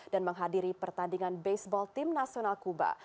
dan menghadiri pertandingan baseball tim nasional kuba